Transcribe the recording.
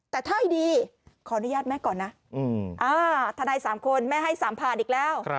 แต่ถ้าให้ดีขออนุญาตแม่ก่อนนะทนาย๓คนแม่ให้๓ผ่านอีกแล้ว